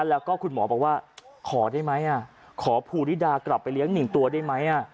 แล้วก็คุณหมอบอกว่าขอได้ไหมขอภูริดากลับไปเลี้ยง๑ตัวได้ไหม